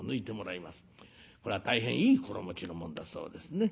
これは大変いい心持ちのもんだそうですね。